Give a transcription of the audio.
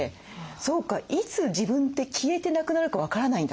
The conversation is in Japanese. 「そうかいつ自分って消えてなくなるか分からないんだ。